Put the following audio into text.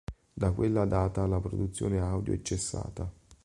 Da quella data la produzione audio è cessata.